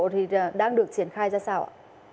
thì đang được triển khai ra sao ạ